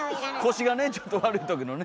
腰がねちょっと悪いときのね。